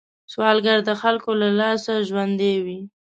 سوالګر د خلکو له لاسه ژوندی وي